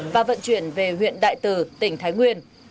và vận chuyển về huyện đại từ tỉnh thái nguyên